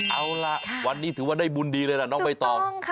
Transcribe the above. เอาล่ะวันนี้ถือว่าได้บุญดีเลยล่ะน้องใบตอง